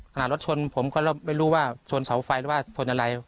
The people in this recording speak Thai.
รถชนผมก็ไม่รู้ว่าชนเสาไฟหรือว่าชนอะไร